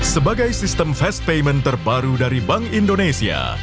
sebagai sistem fast payment terbaru dari bank indonesia